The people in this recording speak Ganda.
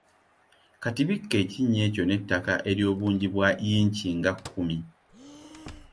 Kati bikka ekinnya ekyo n’ettaka ery’obungi bwa yinchi nga kumi.